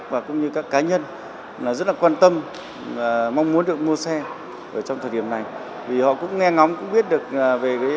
và rất là nóng